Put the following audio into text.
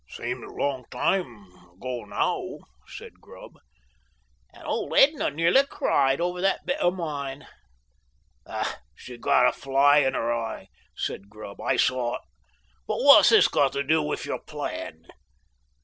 "Seems a long time ago now," said Grubb. "And old Edna nearly cried over that bit of mine." "She got a fly in her eye," said Grubb; "I saw it. But what's this got to do with your plan?"